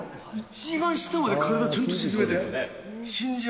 一番下まで、体ちゃんと沈めて。